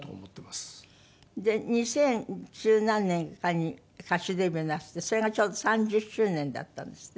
二千十何年かに歌手デビューなすってそれがちょうど３０周年だったんですって？